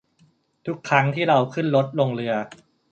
ทุกครั้งที่เราขึ้นรถลงเรือ